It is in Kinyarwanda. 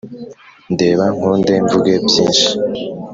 Ndeba nkunde mvuge byinshi